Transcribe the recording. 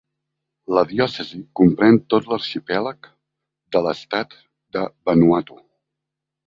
La diòcesi comprèn tot l'arxipèlag de l'estat de Vanuatu.